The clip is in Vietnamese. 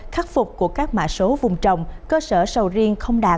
khắc phục của các mã số vùng trồng cơ sở sầu riêng